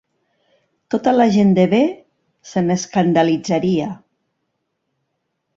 Tota la gent de bé se n'escandalitzaria.